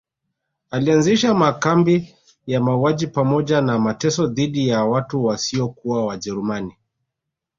Alianzisha makambi ya mauaji pamoja na mateso dhidi ya watu wasiokuwa wajerumani